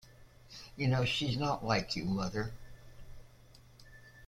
You know, she’s not like you, mother.